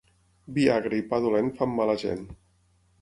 Vi agre i pa dolent fan mala gent.